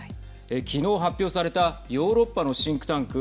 きのう発表されたヨーロッパのシンクタンク